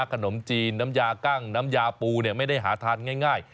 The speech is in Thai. ขนมจีนน้ำยากั้งน้ำยาปูไม่ได้หาทานง่าย